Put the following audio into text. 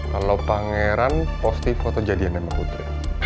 kalau pangeran posti foto jadiannya sama putri